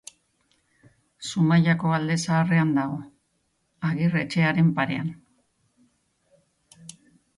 Zumaiako Alde Zaharrean dago, Agirre etxearen parean.